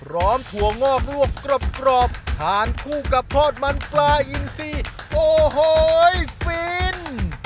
ร้อมถั่วงอบรวบกรอบกรอบทานคู่กับพอดมันกลายินทรีย์โอ้โหฟิน